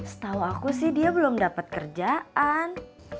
setahu aku sih dia belum dapat kerjaan